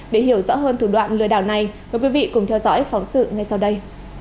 để hiểu rõ hơn thủ đoạn lừa đảo này mời quý vị cùng theo dõi phóng sự ngay sau đây